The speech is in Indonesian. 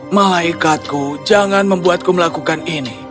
malaikatku jangan membuatku melakukan ini